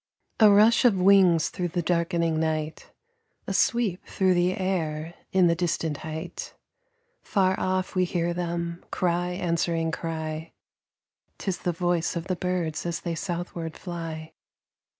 A rush of wings through the darkening night, A sweep through the air in the distant height. Far off we hear them, cry answering cry: 'Tis the voice of the birds as they southward fly.